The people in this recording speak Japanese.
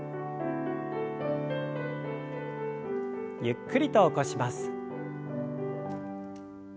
ゆっくりと起こします。